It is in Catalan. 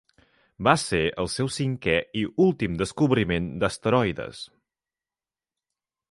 Va ser el seu cinquè i últim descobriment d'asteroides.